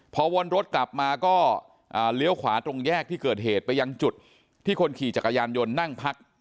พอวนรถกลับมาก็เลี้ยวขวาตรงแยกที่เกิดเหตุไปยังจุดที่คนขี่จักรยานยนต์นั่งพัก